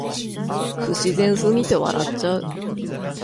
不自然すぎて笑っちゃう